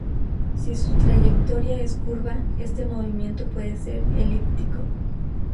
Si su trayectoria es curva este movimiento puede ser elíptico.